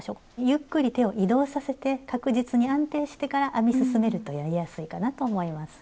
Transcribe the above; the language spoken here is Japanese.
ゆっくり手を移動させて確実に安定してから編み進めるとやりやすいかなと思います。